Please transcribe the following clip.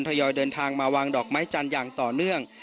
ยอยเดินทางมาวางดอกไม้จันทร์อย่างต่อเนื่อง